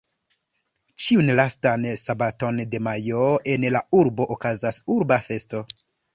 Ĉiun lastan sabaton de majo en la urbo okazas Urba Festo.